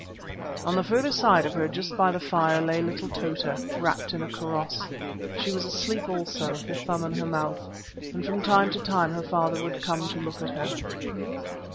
On the further side of her, just by the fire, lay little Tota, wrapped in a kaross. She was asleep also, her thumb in her mouth, and from time to time her father would come to look at her.